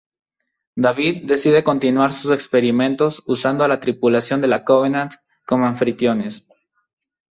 David decide continuar sus experimentos usando a la tripulación de la "Covenant" como anfitriones.